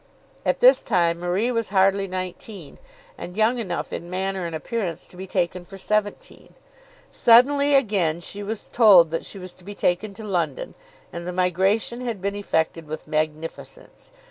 At this time Marie was hardly nineteen, and young enough in manner and appearance to be taken for seventeen. Suddenly again she was told that she was to be taken to London, and the migration had been effected with magnificence.